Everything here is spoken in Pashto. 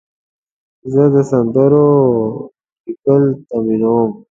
زه د سندرو لیکل تمرینوم.